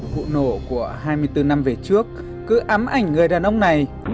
vụ nổ của hai mươi bốn năm về trước cứ ám ảnh người đàn ông này